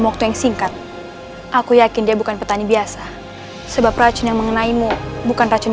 waktu yang singkat aku yakin dia bukan petani biasa sebab racun yang mengenaimu bukan racun